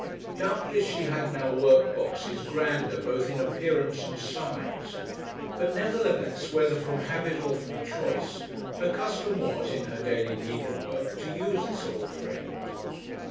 Doubtless she had now work boxes grander both in appearance and size; but, nevertheless, whether from habit or from choice, her custom was, in her daily needlework, to use this old friend.